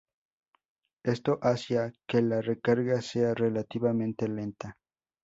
Esto hacía que la recarga sea relativamente lenta.